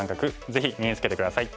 ぜひ身につけて下さい。